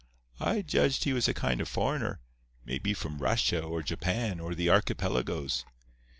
I judged he was a kind of foreigner—may be from Russia or Japan or the archipelagoes.